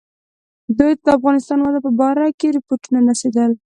دوی ته د افغانستان وضع په باره کې رپوټونه رسېدل.